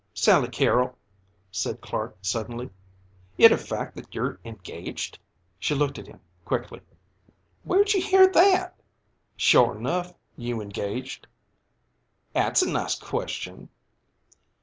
"Sally Carrol," said Clark suddenly, "it a fact that you're engaged?" She looked at him quickly. "Where'd you hear that?" "Sure enough, you engaged?" "'At's a nice question!"